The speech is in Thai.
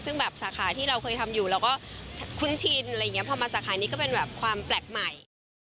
ซึ่งสาขาที่เราเคยทำอยู่แล้วก็คุ้นชินพอมาสาขานี้ก็เป็นความแปลกใหม่